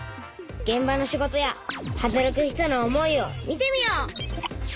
げん場の仕事や働く人の思いを見てみよう！